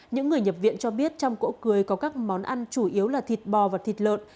những người nhập viện cho biết trong cỗ cưới có các món ăn chủ yếu là thịt bò và thịt lợn